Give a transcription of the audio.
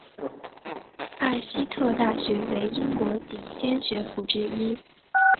艾希特大学为英国顶尖学府之一。